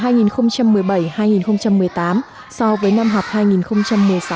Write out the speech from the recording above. năm học hai nghìn một mươi bảy hai nghìn một mươi tám so với năm học hai nghìn một mươi sáu hai nghìn một mươi bảy